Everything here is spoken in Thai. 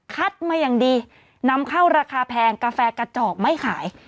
มาอย่างดีนำเข้าราคาแพงกาแฟกระจอกไม่ขาย